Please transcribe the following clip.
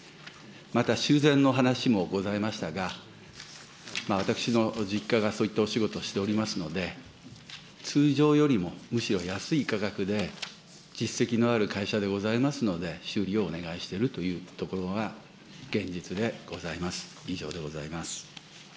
また修繕の話もございましたが、私の実家がそういったお仕事をしておりますので、通常よりもむしろ安い価格で、実績のある会社でございますので、修理をお願いしているというところが現実でございます。